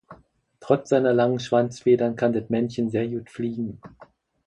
Trotz seiner langen Schwanzfedern kann das Männchen sehr gut fliegen.